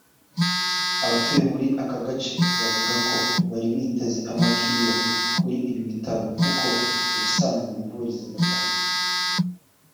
Abatuye muri aka gace bavuga ko bari bateze amakiriro kuri ibi bitaro kuko ubusanzwe bivuriza kure